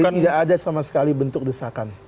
jadi tidak ada sama sekali bentuk desakan